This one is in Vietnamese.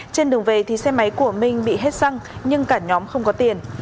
trên đường về thì xe máy của minh bị hết xăng nhưng cả nhóm không có tiền